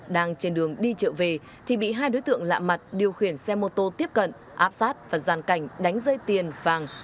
đang trên đường đi trợ về thì bị hai đối tượng lạ mặt điều khiển xe mô tô tiếp cận áp sát và giàn cảnh đánh dây tiền vàng